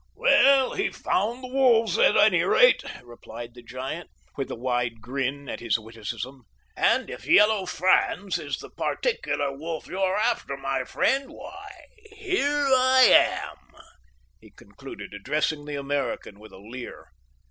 "Well, he's found the wolves at any rate," replied the giant, with a wide grin at his witticism. "And if Yellow Franz is the particular wolf you're after, my friend, why here I am," he concluded, addressing the American with a leer.